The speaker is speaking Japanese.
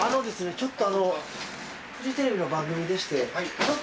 ちょっとフジテレビの番組でして。